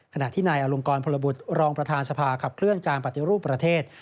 ขณะที่นายอลงกรพลบุตรรองประธานสภาขับเคลื่อนการปฏิรูปประเทศ